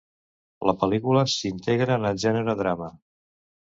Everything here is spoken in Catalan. La pel·lícula s'integra en el gènere drama.